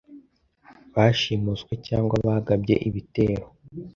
bashimuswe cyangwa bagabye ibitero